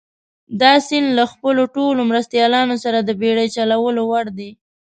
دا سیند له خپلو ټولو مرستیالانو سره د بېړۍ چلولو وړ دي.